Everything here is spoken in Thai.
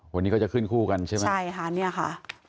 วันนี้ก็จะขึ้นคู่กันใช่ไหมใช่ค่ะเนี่ยค่ะ